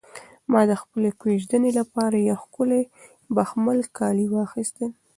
ما د خپلې کوژدنې لپاره یو ښکلی د بخمل کالي واخیستل.